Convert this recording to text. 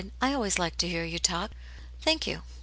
" I always liked to hear you talk." " Thank you.